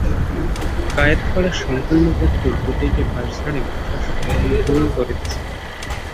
কায়েতপাড়ার সংকীর্ণ পথটির দুদিকে বাশঝাড়ে মশা শুনভন করিতেছিল।